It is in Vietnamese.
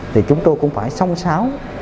thì chúng tôi cũng phải song sáo